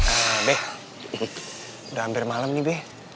udah hampir malem nih be